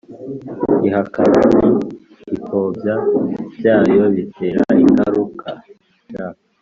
ihakana ni ipfobya byayo bitera ingaruka J